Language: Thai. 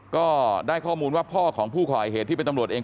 ก็ได้ข้อมูลว่าพ่อของผู้ก่อเหตุที่เป็นตำรวจเอง